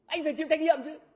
anh phải chịu trách nhiệm chứ